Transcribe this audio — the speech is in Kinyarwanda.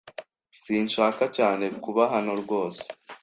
Sinshaka cyane kuba hano rwose.